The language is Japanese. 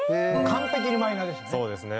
完璧にマイナーでしたね。